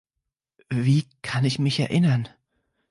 Wie kann ich mich erinnern?